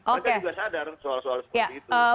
mereka juga sadar soal soal seperti itu